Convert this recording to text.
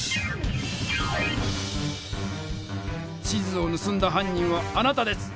地図をぬすんだはん人はあなたです！